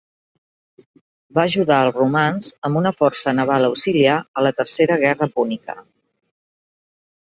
Va ajudar els romans amb una força naval auxiliar a la tercera guerra púnica.